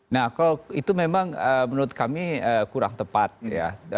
nah kalau itu memang menurut kami kurang tepat ya